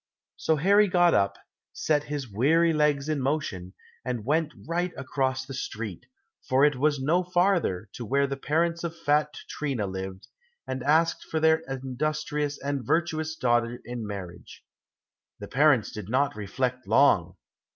So Harry got up, set his weary legs in motion, and went right across the street, for it was no farther, to where the parents of fat Trina lived, and asked for their industrious and virtuous daughter in marriage. The parents did not reflect long.